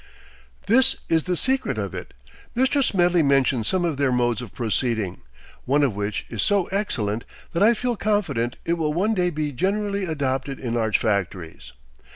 That is the secret of it. Mr. Smedley mentions some of their modes of proceeding, one of which is so excellent that I feel confident it will one day be generally adopted in large factories.